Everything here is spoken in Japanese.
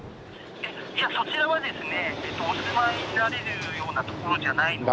「いやそちらはですねお住まいになれるような所じゃないので」